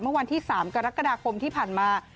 เมื่อวันที่๓กรกฎาคมที่ผ่านมา